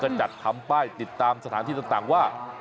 ก็จัดทำป้ายติดตามสถานที่ต่างว่า